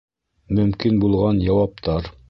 Мөмкин булған яуаптар